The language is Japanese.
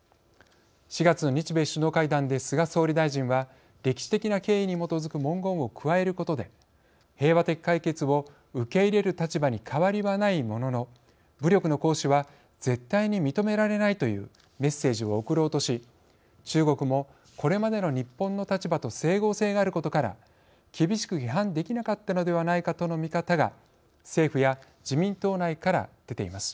４月の日米首脳会談で菅総理大臣は歴史的な経緯に基づく文言を加えることで平和的解決を受け入れる立場に変わりはないものの武力の行使は絶対に認められないというメッセージを送ろうとし中国もこれまでの日本の立場と整合性があることから厳しく批判できなかったのではないかとの見方が政府や自民党内から出ています。